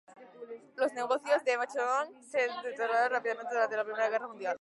Los negocios de Bechstein se deterioraron rápidamente durante Primera Guerra Mundial.